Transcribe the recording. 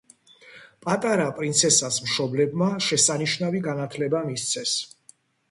პატარა პრინცესას მშობლებმა შესანიშნავი განათლება მისცეს.